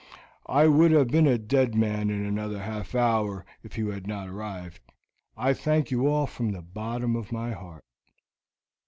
I would have been a dead man in another half hour if you had not arrived. I thank you all from the bottom of my heart."